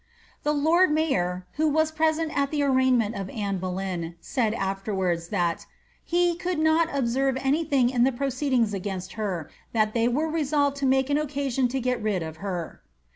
The lord mayor, who was present at the arraignment of Anne Boleyn, said afterwards, that ^ he could not observe any thing in the proceedings against her, but that they were resolved to make an occasion to get nil of her."